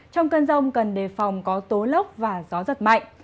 trong cơn rông cần đề phòng có tố lốc và gió giật mạnh